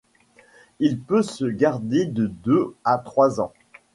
Il peut se garder de deux à trois ans.